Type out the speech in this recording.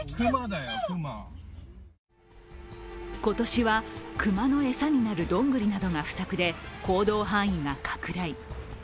今年は熊の餌になるどんぐりなどが不作で行動範囲が拡大。